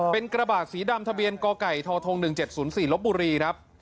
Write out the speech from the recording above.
เป็นกระบาดสีดำทะเบียนกไก่ทท๑๗๐๔ลบบุรีครับ